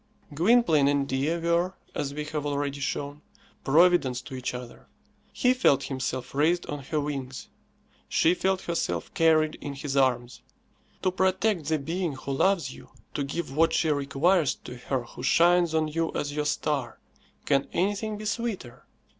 Gwynplaine and Dea were, as we have already shown, Providence to each other. He felt himself raised on her wings; she felt herself carried in his arms. To protect the being who loves you, to give what she requires to her who shines on you as your star, can anything be sweeter?